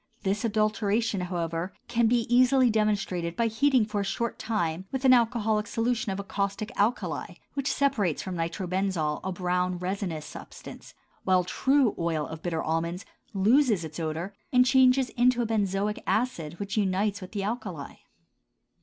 This adulteration, however, can be easily demonstrated by heating for a short time with an alcoholic solution of a caustic alkali which separates from nitrobenzol a brown resinous substance, while true oil of bitter almonds loses its odor and changes into benzoic acid which unites with the alkali.